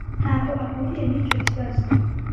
Ntaho ahuriye nicyo kibazo.